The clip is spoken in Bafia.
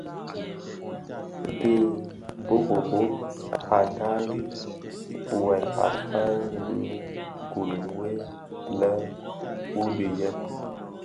Ndhi i Mbhöbhög a ndhami wuèl a faňi bi gul nwe lè: wuodhi yèn !